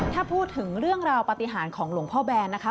ถ้าพูดถึงเรื่องราวปฏิหารของหลวงพ่อแบนนะคะ